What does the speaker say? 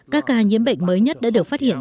các ca nhiễm bệnh mới nhất đã được phát hiện